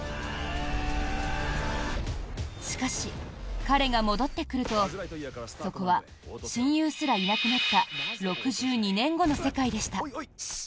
しかし、彼が戻ってくるとそこは親友すらいなくなった６２年後の世界でした。